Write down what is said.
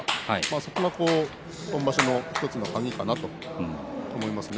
そこが今場所の１つの鍵かなと思いますね。